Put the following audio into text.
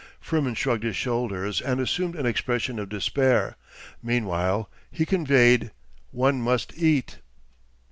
Firmin shrugged his shoulders and assumed an expression of despair. Meanwhile, he conveyed, one must eat.